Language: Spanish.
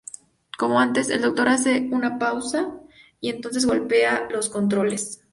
Como antes... el Doctor hace una pausa, y entonces golpea los controles".